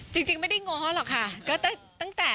จริงไม่ได้ง้อหรอกค่ะ